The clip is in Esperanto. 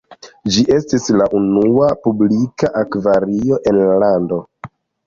Ĝi estis la unua publika akvario en la lando.